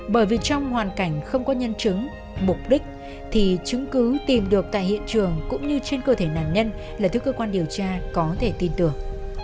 bởi vì trong hoàn cảnh không có nhân chứng mục đích thì chứng cứ tìm được tại hiện trường cũng như trên cơ thể nạn nhân là thứ cơ quan điều tra có thể tin tưởng